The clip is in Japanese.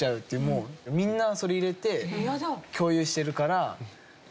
もうみんなそれを入れて共有してるから。